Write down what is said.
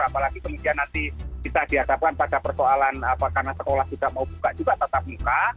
apalagi kemudian nanti bisa diadakan pada persoalan karena sekolah juga mau buka juga tetap buka